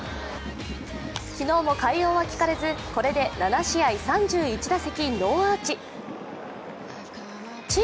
昨日も快音は聞かれず、これで７試合３１打席ノーアーチ。